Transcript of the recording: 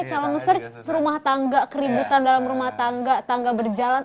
kalau nge search rumah tangga keributan dalam rumah tangga tangga berjalan